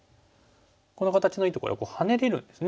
この形のいいところはハネれるんですね。